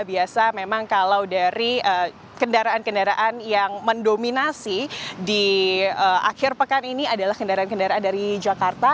biasa memang kalau dari kendaraan kendaraan yang mendominasi di akhir pekan ini adalah kendaraan kendaraan dari jakarta